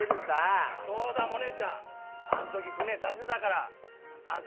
そうだモネちゃんあん時船出せだがらあんだ